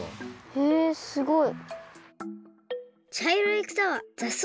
へえすごい！